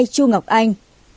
hai chu ngọc anh